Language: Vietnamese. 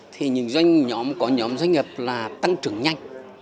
thì những doanh nhóm có nhóm doanh nghiệp là tăng trưởng nhanh